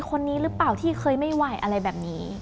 คนนี้หรือเปล่าที่เคยไม่ไหวอะไรแบบนี้